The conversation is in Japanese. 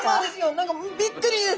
何かびっくりです！